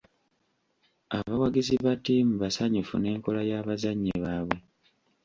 Abawagizi ba ttiimu basanyufu n'enkola y'abazannyi baabwe.